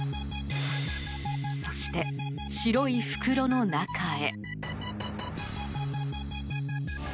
そして、白い袋の中へ。